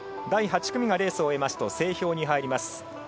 第８組がレースを終えますと整氷に入ります。